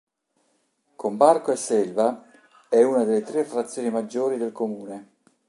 Con Barco e Selva è una delle tre frazioni "maggiori" del Comune.